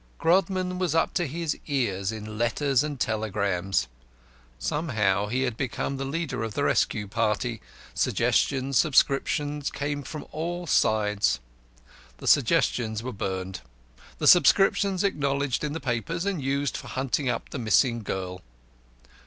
Grodman was up to his ears in letters and telegrams. Somehow he had become the leader of the rescue party suggestions, subscriptions came from all sides. The suggestions were burnt, the subscriptions acknowledged in the papers and used for hunting up the missing girl.